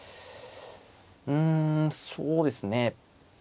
うんそうですね。